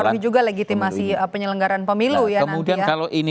nanti akan mengaruhi legitimasi penyelenggaran pemilu ya